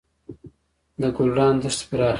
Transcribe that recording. د ګلران دښتې پراخې دي